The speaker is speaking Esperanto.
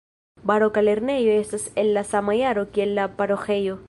Baroka lernejo estas el la sama jaro kiel la paroĥejo.